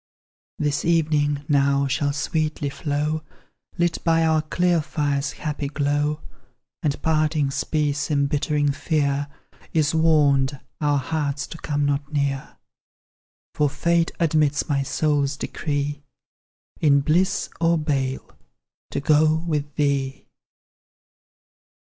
This evening now shall sweetly flow, Lit by our clear fire's happy glow; And parting's peace embittering fear, Is warned our hearts to come not near; For fate admits my soul's decree, In bliss or bale to go with thee!